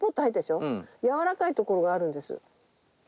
やわらかいところがあるんです。